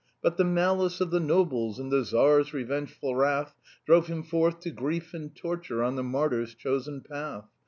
But the malice of the nobles And the Tsar's revengeful wrath Drove him forth to grief and torture On the martyr's chosen path.